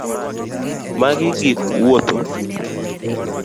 Mag gik wuotho